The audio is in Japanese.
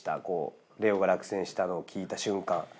こう玲於が落選したのを聞いた瞬間。